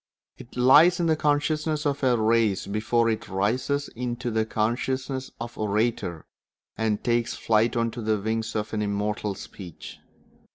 It lies in the consciousness of a race before it rises into the consciousness of the orator and takes flight on the wings of immortal speech.